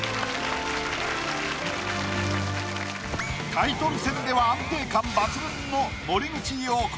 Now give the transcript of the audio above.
タイトル戦では安定感抜群の森口瑤子。